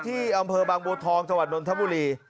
ที่อำเภอบางบัวทองจังหวัดนทบุรี